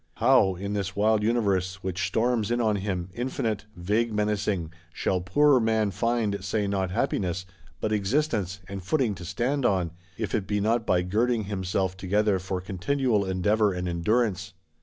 How, in this wild Universe, which storms in on him, infinite, vague menacing, shall poor man find, say not happiness, but existence, and footing to stand on, if it be not by girding himself together for continual endeavour and endurance?